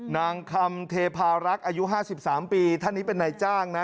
นางคำเทพารักษ์อายุ๕๓ปีท่านนี้เป็นนายจ้างนะ